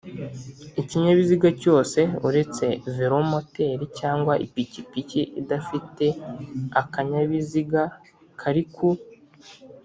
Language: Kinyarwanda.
Ikinyabiziga cyose uretse velomoteri cyangwa ipikipiki idafite akanyabiziga kari ku